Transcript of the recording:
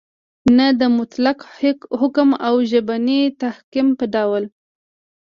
نه د مطلق حکم او ژبني تحکم په ډول